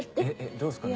どうですかね？